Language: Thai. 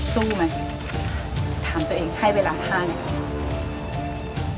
สู้ไหมถามตัวเองให้เวลาผ้าไหม